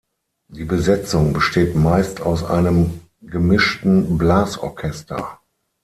Die Besetzung besteht meist aus einem gemischten Blasorchester.